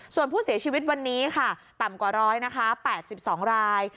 ส่วนผู้เสียชีวิตวันนี้ค่ะต่ำกว่า๑๐๐นะคะ๘๒ราย